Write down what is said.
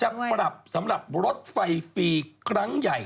ปรับสำหรับรถไฟฟรีครั้งใหญ่